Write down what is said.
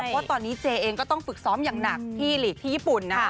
ว่าตอนนี้เจเองก็ต้องฝึกซ้อมอย่างหนักที่หลีกที่ญี่ปุ่นนะคะ